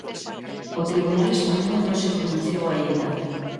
O tribunal español non se pronunciou aínda.